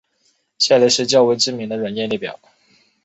下列是较为知名的软件列表。